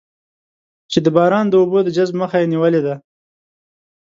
چې د باران د اوبو د جذب مخه یې نېولې ده.